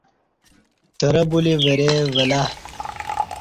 ترہ بلی ورے ولہ